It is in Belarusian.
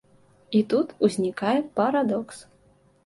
І тут узнікае парадокс.